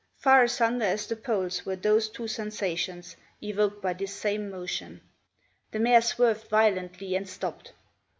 Far asunder as the poles were those two sensations, evoked by this same motion. The mare swerved violently and stopped.